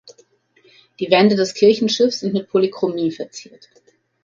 Die Wände des Kirchenschiffs sind mit Polychromie verziert.